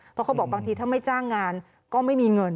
เพราะเขาบอกบางทีถ้าไม่จ้างงานก็ไม่มีเงิน